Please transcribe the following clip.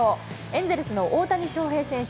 エンゼルスの大谷翔平選手